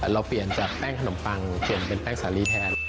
เราเปลี่ยนจากแป้งขนมปังเปลี่ยนเป็นแป้งสาลีแทน